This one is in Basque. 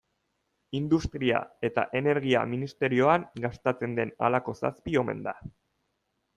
Industria eta Energia ministerioan gastatzen den halako zazpi omen da.